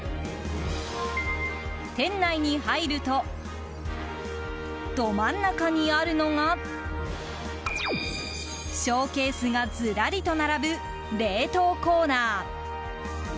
店内に入るとど真ん中にあるのがショーケースがずらりと並ぶ冷凍コーナー。